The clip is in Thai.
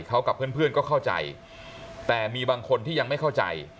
เขากับเพื่อนก็เข้าใจแต่มีบางคนที่ยังไม่เข้าใจ